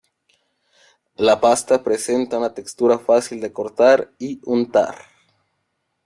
La pasta presenta una textura fácil de cortar y untar.